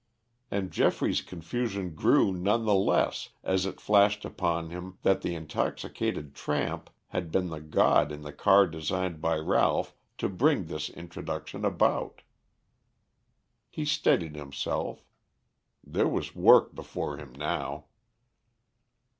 And Geoffrey's confusion grew none the less as it flashed upon him that the intoxicated tramp had been the god in the car designed by Ralph to bring this introduction about. He steadied himself. There was work before him now.